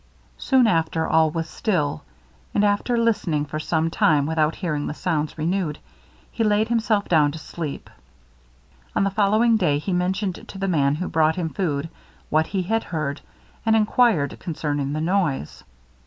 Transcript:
Soon after all was still; and after listening for some time without hearing the sounds renewed, he laid himself down to sleep. On the following day he mentioned to the man who brought him food what he had heard, and enquired concerning the noise.